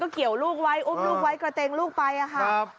เกี่ยวลูกไว้อุ้มลูกไว้กระเตงลูกไปค่ะ